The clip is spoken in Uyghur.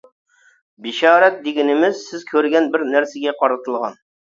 «بېشارەت» دېگىنىمىز سىز كۆرگەن بىر نەرسىگە قارىتىلغان.